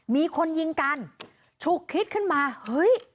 มีคนยิงกันฉุกคิดขึ้นมาเฮ้ย